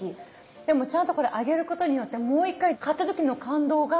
でもちゃんとこれ揚げることによってもう一回買った時の感動がよみがえります。